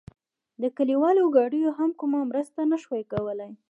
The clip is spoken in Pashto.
د کلیوالو ګاډیو هم کومه مرسته نه شوه کولای.